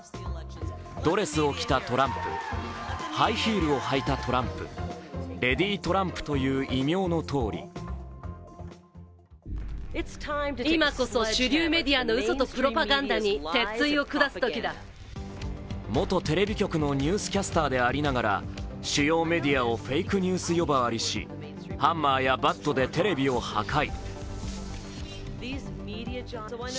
ドレスを着たトランプハイヒールを履いたトランプ、レディートランプという異名のとおり元テレビ局のニュースキャスターでありながら主要メディアをフェイクニュース呼ばわりし、ハンマーやバットでテレビを破壊。